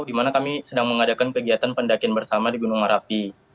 di mana kami sedang mengadakan kegiatan pendakian bersama di gunung merapi